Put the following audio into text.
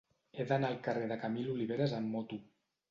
He d'anar al carrer de Camil Oliveras amb moto.